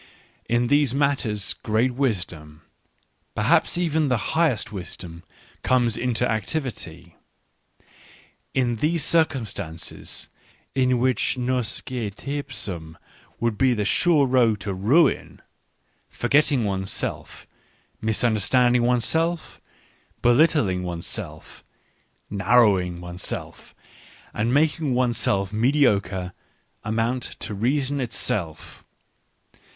In these matters great wisdom, perhaps even the highest wisdom, comes into activity : in these cir cumstances, in which nosce teipsum would be the sure road to ruin, forgetting one's self, misunder standing one's self, belittling one's self, narrowing one's self, and making one's self mediocre, amount to reason itself.